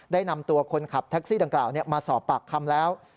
ได้นำตัวคนขับแท็กซี่ดังกล่าวมาสอบปากคำแล้ว